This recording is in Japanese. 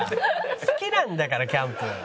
好きなんだからキャンプ。